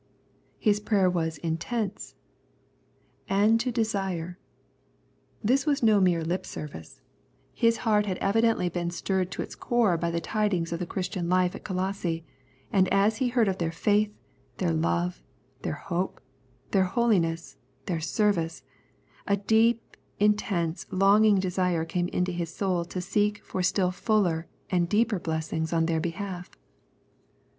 His prayer was intense —" And to desireP This was no mere lip service. His heart had 68 Knowledge and Obedience evidently been stirred to its core by the tidings of the Christian life at Colosse, and as he heard of their faith, their love, their hope, their holiness, their service, a deep, intense, longing desire came into his soul to seek for still fuller and deeper blessing on their behalf.